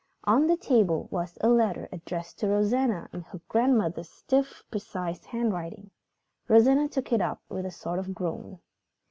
On the table was a letter addressed to Rosanna in her grandmother's stiff, precise handwriting. Rosanna took it up with a sort of groan.